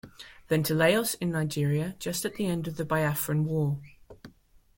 Then to Lagos in Nigeria just at the end of the Biafran War.